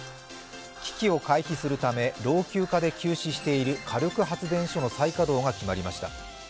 危機を回避するため、老朽化で休止している火力発電所の再稼働が決まりました。